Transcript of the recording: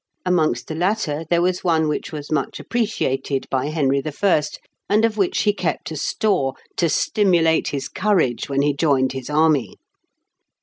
Amongst the latter there was one which was much appreciated by Henry I., and of which he kept a store, to stimulate his courage when he joined his army.